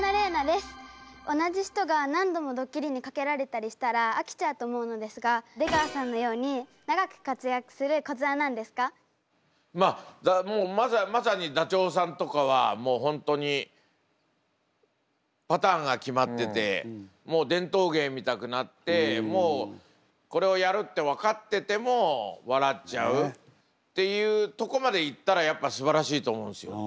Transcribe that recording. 同じ人が何度もドッキリに掛けられたりしたら飽きちゃうと思うのですが出川さんのようにまあまさにダチョウさんとかはもう本当にパターンが決まってて伝統芸みたくなってもうこれをやるって分かってても笑っちゃうっていうとこまでいったらやっぱすばらしいと思うんですよ。